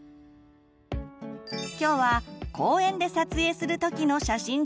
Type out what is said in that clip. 今日は公園で撮影する時の写真術。